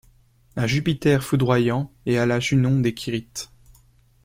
A Jupiter Foudroyant et à la Junon des Quirites.